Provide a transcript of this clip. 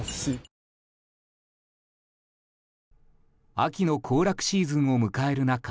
秋の行楽シーズンを迎える中